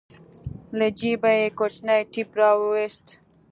له جيبه يې کوچنى ټېپ راوايست.